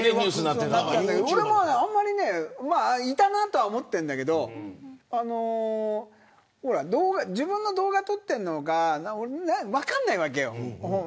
俺もいたなとは思ってるんだけど自分の動画撮ってるのか分からないわけよ。